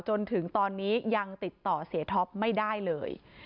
จนถึงตอนนี้ยังติดต่อเสียท็อปไม่ได้เลย